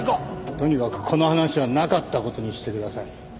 とにかくこの話はなかった事にしてください。